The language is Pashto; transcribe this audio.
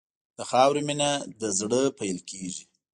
د خاورې مینه له زړه پیل کېږي.